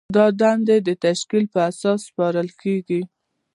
دا دندې د تشکیل په اساس سپارل کیږي.